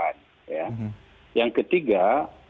yang ketiga hal yang sangat penting sesungguhnya adalah